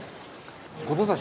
後藤さん